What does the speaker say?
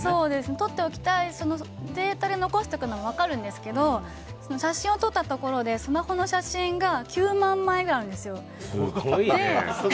とっておきたいデータで残しておくのも分かるんですけど写真を撮ったところでスマホの写真が９万枚あるんですよ。